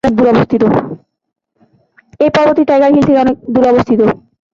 এই পর্বতটি টাইগার হিল থেকে দূরে অবস্থিত।